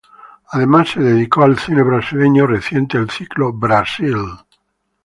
Además, se dedicó al cine brasileño reciente el ciclo "Brasil.